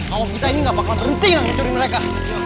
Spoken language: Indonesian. awal kita ini gak bakalan berhenti yang nyucuri mereka